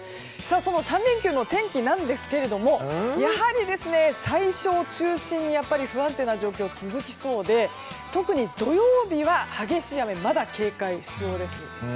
その３連休の天気ですがやはり最初を中心に不安定な状況が続きそうで特に土曜日は、激しい雨にまだ警戒が必要です。